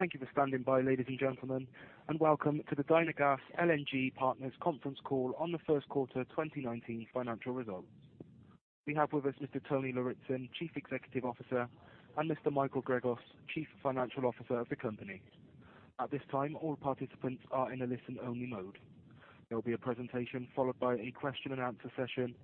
Thank you for standing by, ladies and gentlemen, and welcome to the Dynagas LNG Partners conference call on the first quarter 2019 financial results. We have with us Mr. Tony Lauritzen, Chief Executive Officer, and Mr. Michael Gregos, Chief Financial Officer of the company. At this time, all participants are in a listen-only mode. There will be a presentation followed by a question and answer session,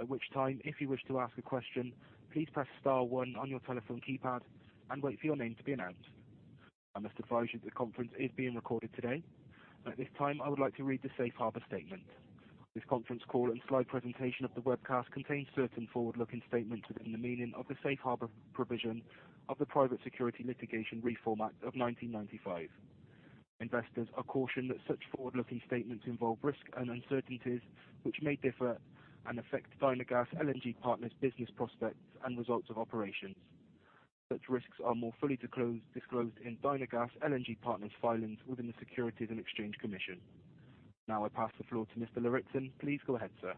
at which time, if you wish to ask a question, please press star one on your telephone keypad and wait for your name to be announced. I must advise you the conference is being recorded today, and at this time, I would like to read the safe harbor statement. This conference call and slide presentation of the webcast contains certain forward-looking statements within the meaning of the safe harbor provision of the Private Securities Litigation Reform Act of 1995. Investors are cautioned that such forward-looking statements involve risks and uncertainties which may differ and affect Dynagas LNG Partners business prospects and results of operations. Such risks are more fully disclosed in Dynagas LNG Partners filings within the Securities and Exchange Commission. I pass the floor to Mr. Lauritzen. Please go ahead, sir.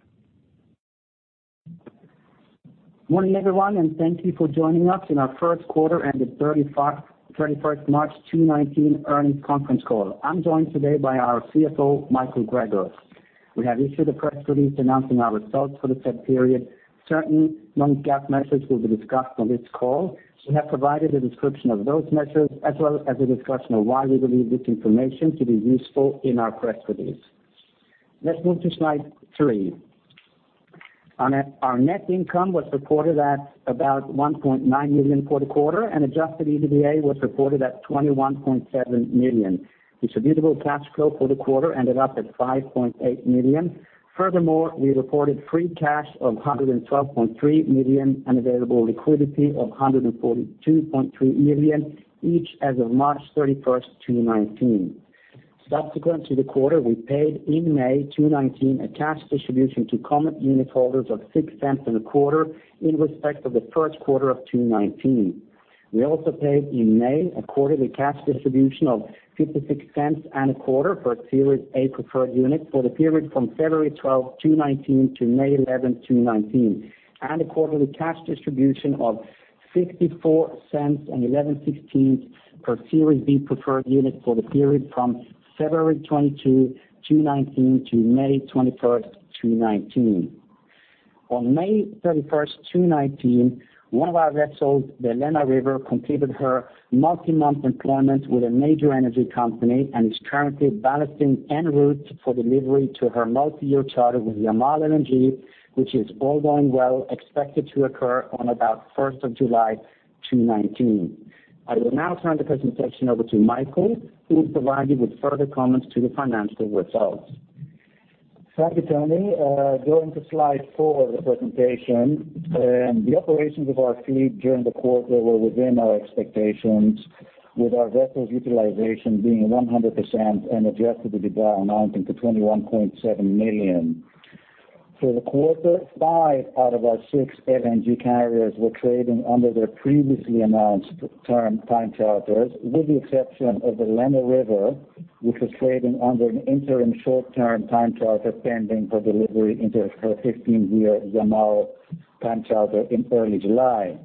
Morning, everyone, and thank you for joining us in our first quarter and the 31st March 2019 earnings conference call. I'm joined today by our CFO, Michael Gregos. We have issued a press release announcing our results for the said period. Certain non-GAAP measures will be discussed on this call. We have provided a description of those measures as well as a discussion of why we believe this information to be useful in our press release. Let's move to slide three. On it, our net income was reported at about $1.9 million for the quarter, and adjusted EBITDA was reported at $21.7 million. Distributable cash flow for the quarter ended up at $5.8 million. Furthermore, we reported free cash of $112.3 million and available liquidity of $142.3 million each as of March 31st, 2019. Subsequent to the quarter, we paid in May 2019 a cash distribution to common unit holders of six cents in a quarter in respect of the first quarter of 2019. We also paid in May a quarterly cash distribution of 56 cents and a quarter for Series A Preferred Units for the period from February 12, 2019 to May 11, 2019, and a quarterly cash distribution of 64 cents and 11 sixteenths per Series B Preferred Units for the period from February 22, 2019 to May 21st, 2019. On May 31st, 2019, one of our vessels, the Lena River, completed her multi-month employment with a major energy company and is currently ballasting en route for delivery to her multi-year charter with Yamal LNG, which is all going well, expected to occur on about 1st of July 2019. I will now turn the presentation over to Michael, who will provide you with further comments to the financial results. Thank you, Tony. Going to slide four of the presentation, the operations of our fleet during the quarter were within our expectations, with our vessels utilization being 100% and adjusted EBITDA amounting to $21.7 million. For the quarter, five out of our six LNG carriers were trading under their previously announced term time charters, with the exception of the Lena River, which was trading under an interim short-term time charter pending for delivery into her 15-year Yamal time charter in early July.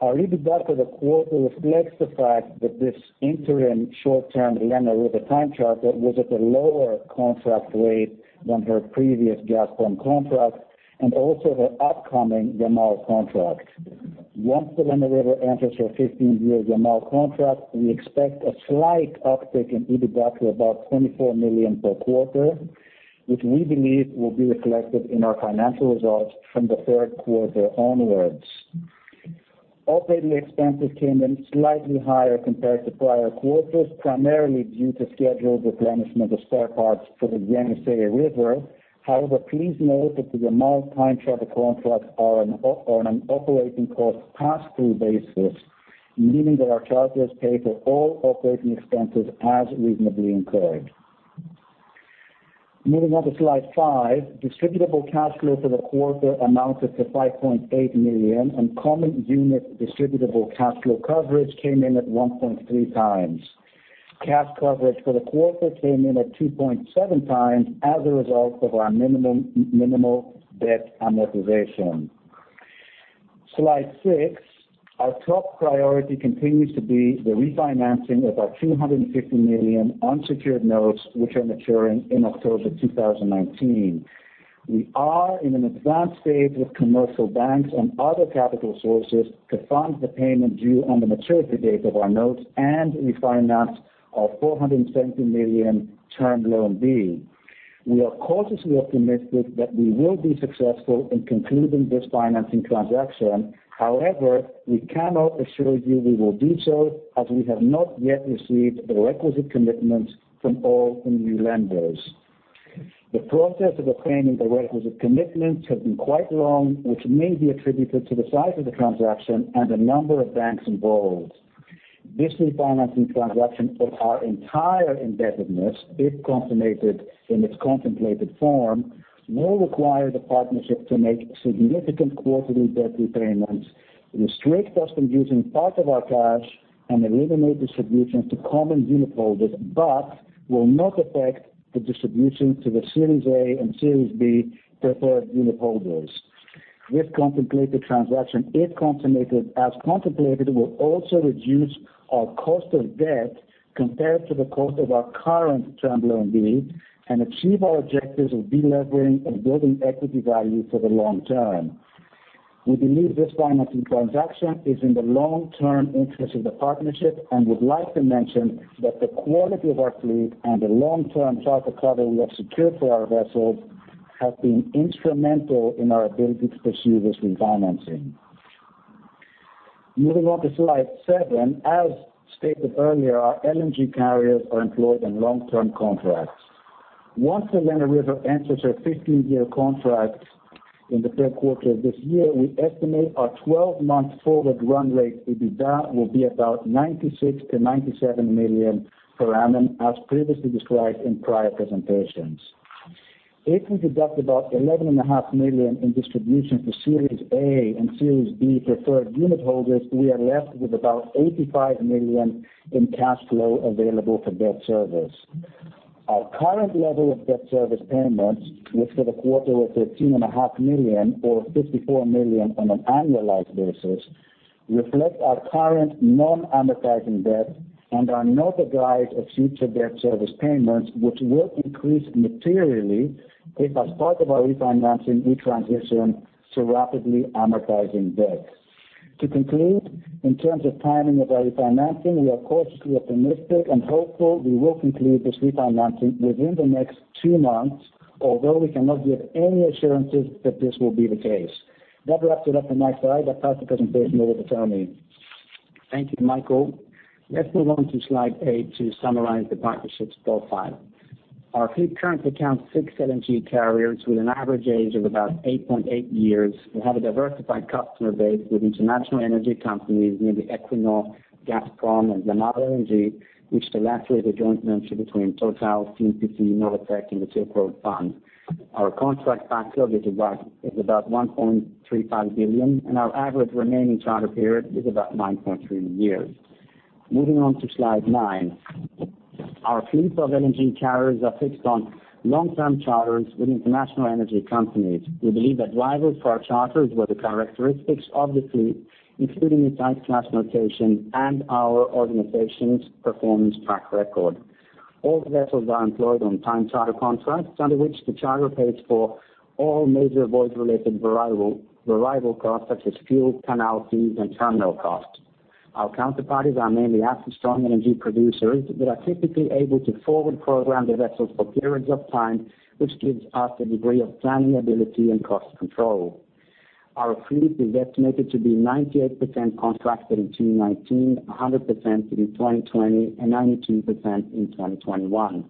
Our EBITDA for the quarter reflects the fact that this interim short-term Lena River time charter was at a lower contract rate than her previous Gazprom contract and also her upcoming Yamal contract. Once the Lena River enters her 15-year Yamal contract, we expect a slight uptick in EBITDA to about $24 million per quarter, which we believe will be reflected in our financial results from the third quarter onwards. Operating expenses came in slightly higher compared to prior quarters, primarily due to scheduled replenishment of spare parts for the Yenisei River. However, please note that the Yamal time charter contracts are on an operating cost pass-through basis, meaning that our charters pay for all operating expenses as reasonably incurred. Moving on to slide five, distributable cash flow for the quarter amounted to $5.8 million, and common unit distributable cash flow coverage came in at 1.3 times. Cash coverage for the quarter came in at 2.7 times as a result of our minimal debt amortization. Slide six, our top priority continues to be the refinancing of our $250 million unsecured notes, which are maturing in October 2019. We are in an advanced stage with commercial banks and other capital sources to fund the payment due on the maturity date of our notes and refinance our $470 million Term Loan B. We are cautiously optimistic that we will be successful in concluding this financing transaction. However, we cannot assure you we will do so as we have not yet received the requisite commitments from all the new lenders. The process of obtaining the requisite commitments has been quite long, which may be attributed to the size of the transaction and the number of banks involved. This refinancing transaction of our entire indebtedness, if consummated in its contemplated form, will require the partnership to make significant quarterly debt repayments, restrict us from using part of our cash, and eliminate distributions to common unit holders, but will not affect the distribution to the Series A and Series B Preferred Units holders. This contemplated transaction, if consummated, as contemplated, will also reduce our cost of debt compared to the cost of our current Term Loan B and achieve our objectives of de-leveraging and building equity value for the long term. We believe this financing transaction is in the long-term interest of the partnership and would like to mention that the quality of our fleet and the long-term charter cover we have secured for our vessels, have been instrumental in our ability to pursue this refinancing. Moving on to slide seven. As stated earlier, our LNG carriers are employed on long-term contracts. Once the Lena River enters her 15-year contract in the third quarter of this year, we estimate our 12-month forward run rate will be about $96 million-$97 million per annum as previously described in prior presentations. If we deduct about $11.5 million in distribution for Series A and Series B Preferred Units holders, we are left with about $85 million in cash flow available for debt service. Our current level of debt service payments, which for the quarter was $13.5 million, or $54 million on an annualized basis, reflect our current non-amortizing debt and are not a guide of future debt service payments, which will increase materially if, as part of our refinancing, we transition to rapidly amortizing debt. To conclude, in terms of timing of our refinancing, we are cautiously optimistic and hopeful we will conclude this refinancing within the next two months, although we cannot give any assurances that this will be the case. That wraps it up for my side. I will pass the presentation over to Tony. Thank you, Michael. Let us move on to slide eight to summarize the partnership's profile. Our fleet currently counts six LNG carriers, with an average age of about 8.8 years. We have a diversified customer base with international energy companies, namely Equinor, Gazprom, and Yamal LNG, which the latter is a joint venture between Total, CNPC, Novatek, and the Silk Road Fund. Our contract backlog is about $1.35 billion, and our average remaining charter period is about 9.3 years. Moving on to slide nine. Our fleet of LNG carriers are fixed on long-term charters with international energy companies. We believe that drivers for our charters were the characteristics of the fleet, including its Ice Class notation and our organization's performance track record. All the vessels are employed on time charter contracts, under which the charterer pays for all major voyage-related variable costs, such as fuel, canal fees, and terminal costs. Our counterparties are mainly asset-strong energy producers that are typically able to forward-program their vessels for periods of time, which gives us a degree of planning ability and cost control. Our fleet is estimated to be 98% contracted in 2019, 100% in 2020, and 92% in 2021.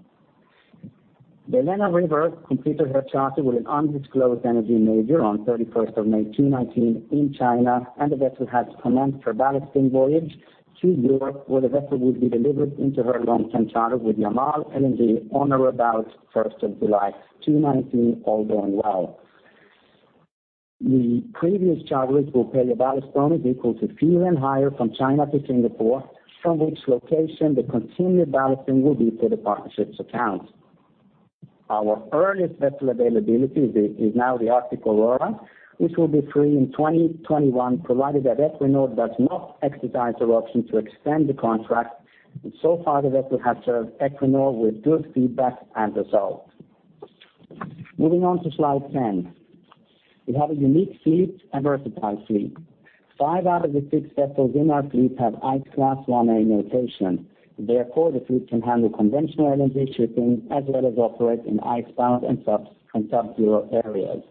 The Lena River completed her charter with an undisclosed energy major on 31st of May 2019 in China, and the vessel has commenced her ballasting voyage to Europe, where the vessel will be delivered into her long-term charter with Yamal LNG on or about 1st of July 2019, all going well. The previous charterers will pay a ballasting voyage to fuel and hire from China to Singapore, from which location the continued ballasting will be for the partnership's account. Our earliest vessel availability is now the Arctic Aurora, which will be free in 2021, provided that Equinor does not exercise their option to extend the contract. So far, the vessel has served Equinor with good feedback and results. Moving on to slide 10. We have a unique fleet, a versatile fleet. Five out of the six vessels in our fleet have Ice Class 1A notation. Therefore, the fleet can handle conventional LNG shipping as well as operate in icebound and subzero areas.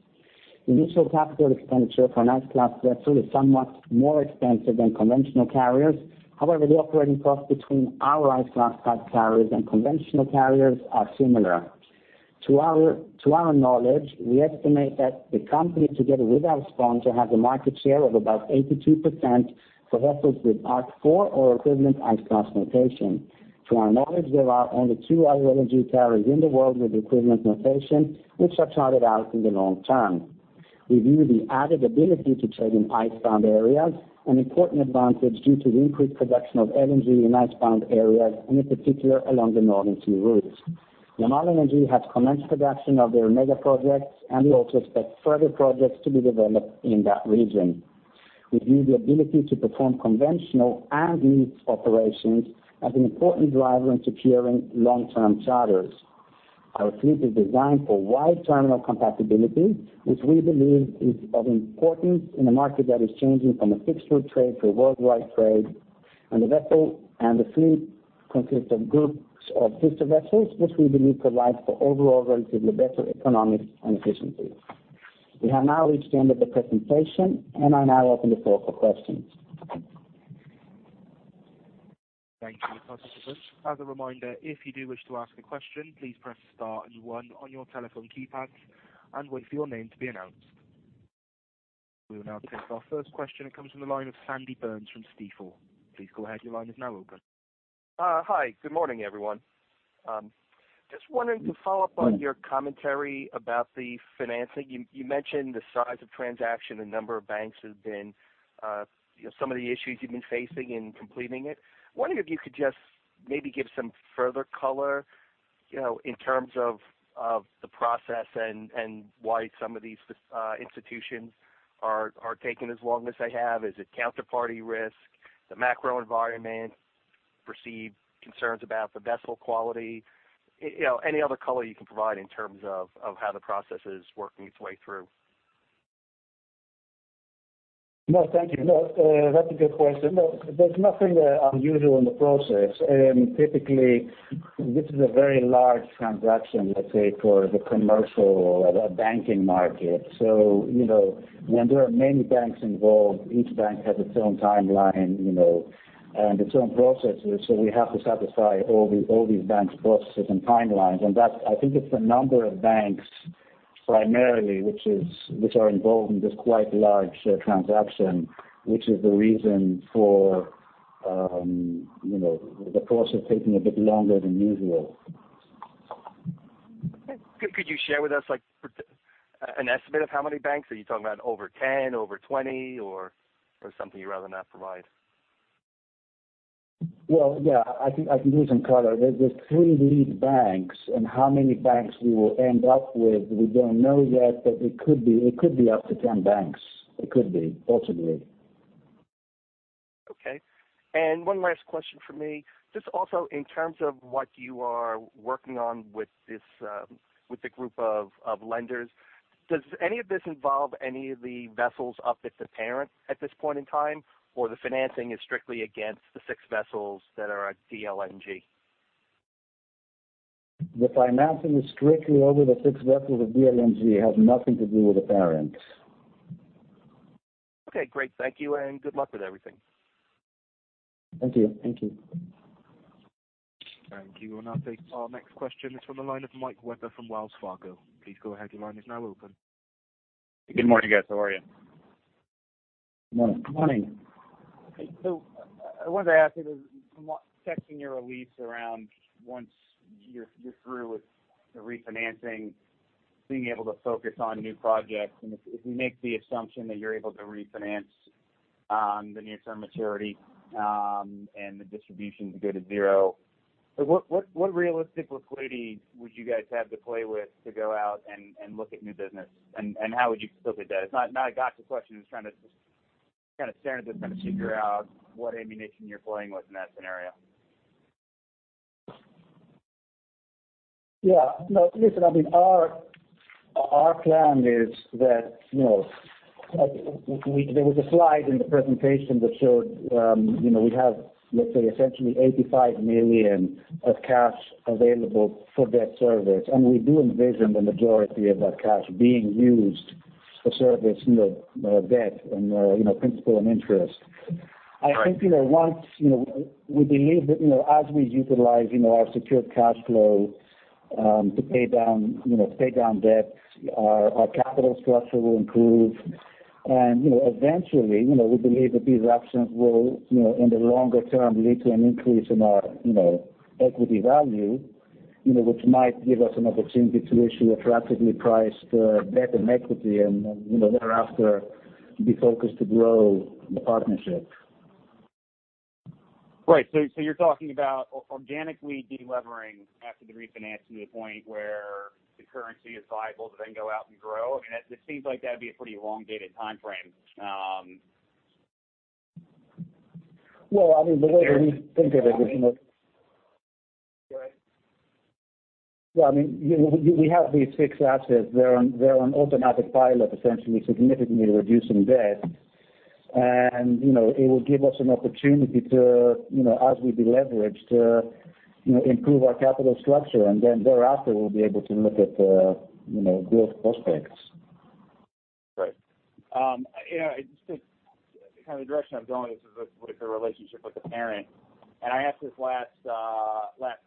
Initial capital expenditure for an ice class vessel is somewhat more expensive than conventional carriers. However, the operating cost between our ice class type carriers and conventional carriers are similar. To our knowledge, we estimate that the company, together with our sponsor, has a market share of about 82% for vessels with Ice 4 or equivalent ice class notation. To our knowledge, there are only two other LNG carriers in the world with equivalent notation, which are chartered out in the long term. We view the added ability to trade in icebound areas an important advantage due to the increased production of LNG in icebound areas, and in particular, along the Northern Sea Route. Yamal LNG has commenced production of their mega projects. We also expect further projects to be developed in that region. We view the ability to perform conventional and niche operations as an important driver in securing long-term charters. Our fleet is designed for wide terminal compatibility, which we believe is of importance in a market that is changing from a fixed route trade to a worldwide trade. The fleet consists of groups of sister vessels, which we believe provide for overall relatively better economics and efficiency. We have now reached the end of the presentation. I now open the floor for questions. Thank you. As a reminder, if you do wish to ask a question, please press star and one on your telephone keypads and wait for your name to be announced. We will now take our first question. It comes from the line of Sanford Burns from Stifel. Please go ahead. Your line is now open. Hi. Good morning, everyone. Just wondering to follow up on your commentary about the financing. You mentioned the size of transaction, the number of banks that have been, some of the issues you've been facing in completing it. Wondering if you could just maybe give some further color in terms of the process and why some of these institutions are taking as long as they have, is it counterparty risk, the macro environment, perceived concerns about the vessel quality? Any other color you can provide in terms of how the process is working its way through. No, thank you. No, that's a good question. No, there's nothing unusual in the process. Typically, this is a very large transaction, let's say, for the commercial or the banking market. When there are many banks involved, each bank has its own timeline, and its own processes. We have to satisfy all these banks' processes and timelines. That, I think it's the number of banks primarily, which are involved in this quite large transaction, which is the reason for the process taking a bit longer than usual. Could you share with us an estimate of how many banks? Are you talking about over 10, over 20 or is it something you'd rather not provide? Well, yeah, I can give you some color. There's three lead banks. How many banks we will end up with, we don't know yet, but it could be up to 10 banks. It could be. Possibly. Okay. One last question from me. Just also in terms of what you are working on with the group of lenders, does any of this involve any of the vessels up at the parent at this point in time, or the financing is strictly against the six vessels that are at DLNG? The financing is strictly over the six vessels of DLNG. It has nothing to do with the parent. Okay, great. Thank you, and good luck with everything. Thank you. Thank you. We'll now take our next question. It's from the line of Michael Webber from Wells Fargo. Please go ahead, your line is now open. Good morning, guys. How are you? Morning. I wanted to ask you, checking your release around once you're through with the refinancing, being able to focus on new projects, and if we make the assumption that you're able to refinance the near-term maturity, and the distributions go to zero. What realistic liquidity would you guys have to play with to go out and look at new business? How would you look at that? It's not a gotcha question, it's trying to just kind of staring at this, trying to figure out what ammunition you're playing with in that scenario. Yeah, no, listen, our plan is that there was a slide in the presentation that showed we have, let's say, essentially $85 million of cash available for debt service. We do envision the majority of that cash being used for service debt and principal and interest. Right. I think once we believe that as we utilize our secured cash flow, to pay down debt, our capital structure will improve. Eventually, we believe that these actions will, in the longer term, lead to an increase in our equity value, which might give us an opportunity to issue attractively priced debt and equity and thereafter, be focused to grow the Partnership. Right. You're talking about organically de-levering after the refinance to the point where the currency is viable to then go out and grow? I mean, it seems like that'd be a pretty elongated timeframe. Well, I mean, the way we think of it is Go ahead. Well, I mean, we have these fixed assets. They're on automatic pilot, essentially, significantly reducing debt. It will give us an opportunity to, as we de-leverage, to improve our capital structure. Thereafter, we'll be able to look at growth prospects. Right. I just think kind of the direction I'm going is with the relationship with the parent, I asked this last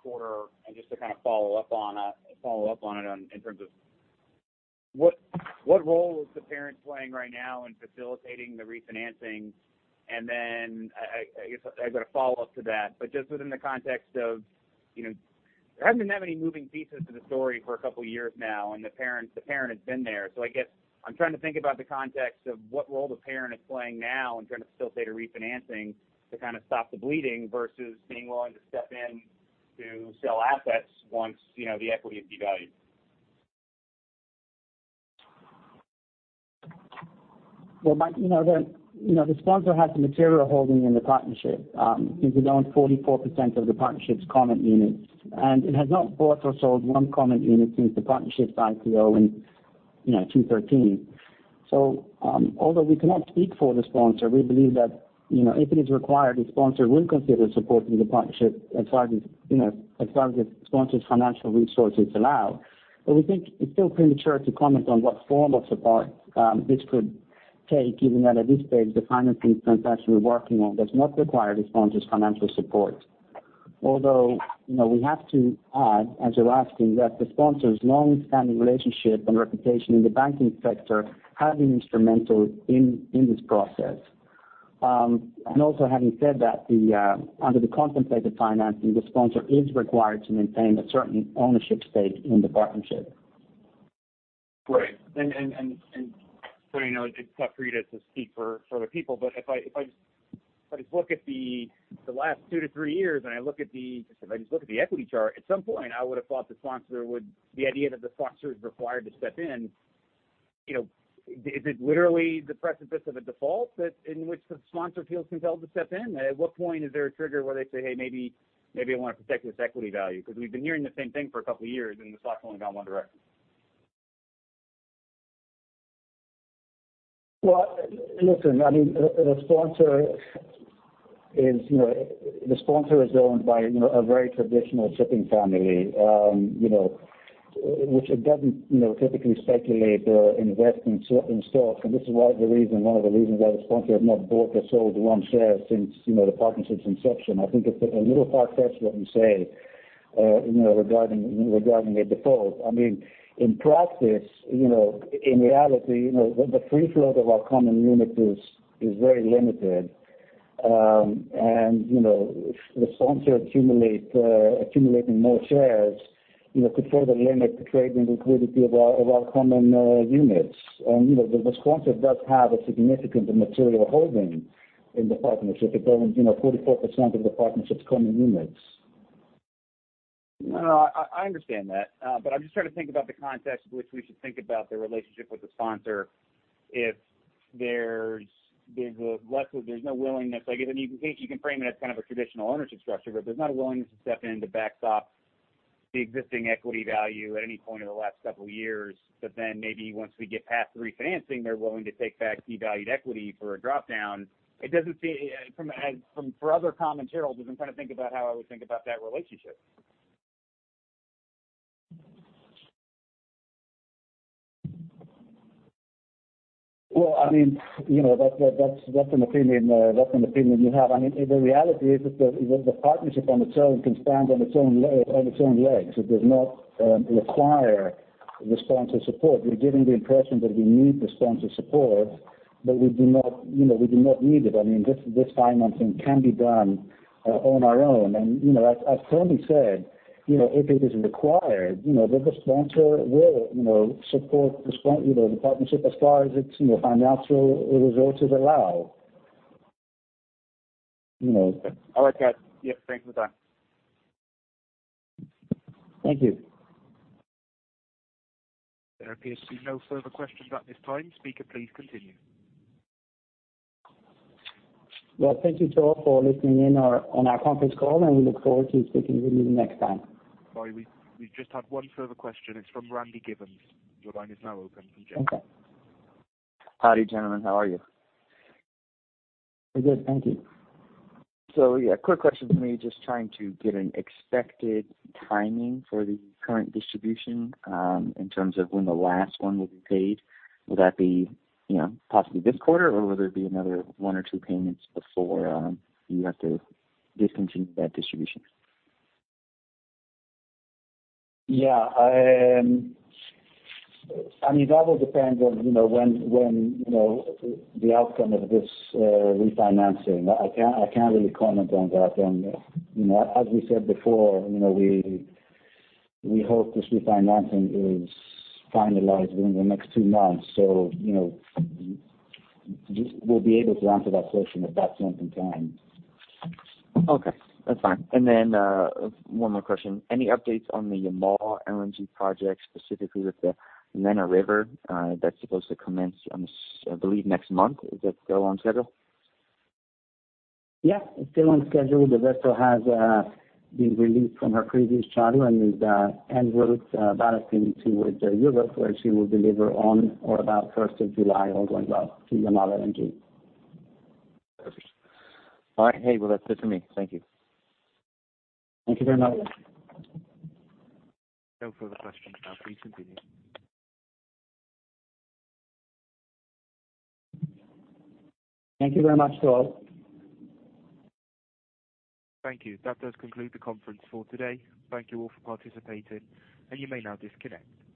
quarter, and just to kind of follow up on it in terms of what role is the parent playing right now in facilitating the refinancing? Then I guess I've got a follow-up to that, but just within the context of there hasn't been that many moving pieces to the story for a couple of years now, the parent has been there. I guess I'm trying to think about the context of what role the parent is playing now in trying to facilitate a refinancing to kind of stop the bleeding versus being willing to step in to sell assets once the equity is devalued. Well, Mike, the sponsor has a material holding in the partnership. I think it owns 44% of the partnership's common units, it has not bought or sold one common unit since the partnership's IPO in 2013. Although we cannot speak for the sponsor, we believe that if it is required, the sponsor will consider supporting the partnership as far as the sponsor's financial resources allow. We think it's still premature to comment on what form of support this could take, given that at this stage, the financing transaction we're working on does not require the sponsor's financial support. Although, we have to add, as you're asking, that the sponsor's long-standing relationship and reputation in the banking sector have been instrumental in this process. Also having said that, under the contemplated financing, the sponsor is required to maintain a certain ownership stake in the partnership. Right. Tony, I know it's tough for you to speak for other people, but if I just look at the last two to three years and I just look at the equity chart, at some point I would have thought the idea that the sponsor is required to step in, is it literally the precipice of a default in which the sponsor feels compelled to step in? At what point is there a trigger where they say, "Hey, maybe I want to protect this equity value"? We've been hearing the same thing for a couple of years, and the stock's only gone one direction. Well, listen, the sponsor is owned by a very traditional shipping family, which it doesn't typically speculate or invest in stock. This is one of the reasons why the sponsor has not bought or sold one share since the partnership's inception. I think it's a little far-fetched what you say regarding a default. In practice, in reality, the free flow of our common units is very limited. The sponsor accumulating more shares could further limit the trading liquidity of our common units. The sponsor does have a significant and material holding in the partnership. It owns 44% of the partnership's common units. No, I understand that. I'm just trying to think about the context with which we should think about the relationship with the sponsor. If there's no willingness, I guess you can frame it as kind of a traditional ownership structure, but there's not a willingness to step in to backstop the existing equity value at any point in the last couple of years. Maybe once we get past the refinancing, they're willing to take back devalued equity for a dropdown. For other common shareholders, I'm trying to think about how I would think about that relationship. Well, that's an opinion you have. I mean, the reality is that the partnership on its own can stand on its own legs. It does not require the sponsor's support. You're giving the impression that we need the sponsor's support, but we do not need it. This financing can be done on our own. As Tony said, if it is required, then the sponsor will support the partnership as far as its financial resources allow. All right, Kat. Yeah, thanks for the time. Thank you. There appears to be no further questions at this time. Speaker, please continue. Well, thank you to all for listening in on our conference call, and we look forward to speaking with you next time. Sorry, we've just had one further question. It's from Randy Gibbons. Your line is now open. Okay. Howdy, gentlemen. How are you? We're good, thank you. Yeah, quick question for me. Just trying to get an expected timing for the current distribution in terms of when the last one will be paid. Will that be possibly this quarter, or will there be another one or two payments before you have to discontinue that distribution? Yeah. That will depend on when the outcome of this refinancing. I can't really comment on that. As we said before, we hope this refinancing is finalized within the next 2 months. We'll be able to answer that question at that point in time. Okay, that's fine. Then 1 more question. Any updates on the Yamal LNG project, specifically with the Lena River that's supposed to commence, I believe, next month? Is that still on schedule? Yeah, it's still on schedule. The vessel has been released from her previous charter and is en route, ballasting towards Europe, where she will deliver on or about 1st of July, all going well, to Yamal LNG. Perfect. All right. Hey, well, that's good to me. Thank you. Thank you very much. No further questions. Now please continue. Thank you very much to all. Thank you. That does conclude the conference for today. Thank you all for participating, and you may now disconnect.